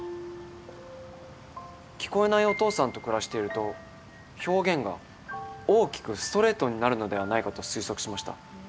聞こえないお父さんと暮らしていると表現が大きくストレートになるのではないかと推測しました。